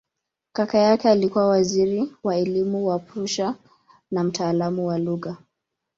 Kaka yake alikuwa waziri wa elimu wa Prussia na mtaalamu wa lugha.